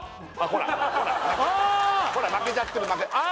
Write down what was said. ほら負けちゃってるあ！